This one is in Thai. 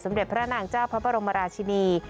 สำเร็จพระนางเจ้าพระปรมาอรมาลาชินี